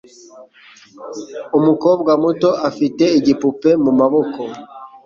Umukobwa muto afite igipupe mumaboko.